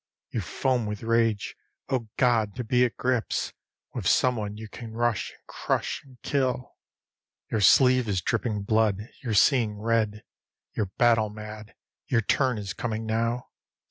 You foam with rage. Oh, God! to be at grips With someone you can rush and crush and kill. Your sleeve is dripping blood; you're seeing red; You're battle mad; your turn is coming now.